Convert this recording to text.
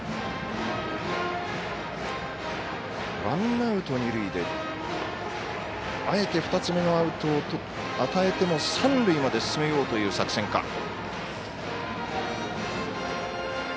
ワンアウト、二塁であえて２つ目のアウトを与えても三塁まで進めようという作戦か。